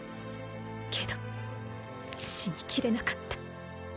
けど死にきれなかった。